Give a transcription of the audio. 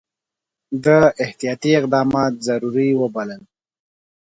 ده احتیاطي اقدامات ضروري وبلل.